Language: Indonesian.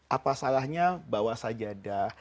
apa salahnya bawa sajadah